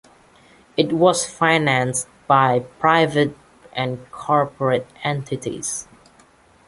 It was financed by private and corporate entities.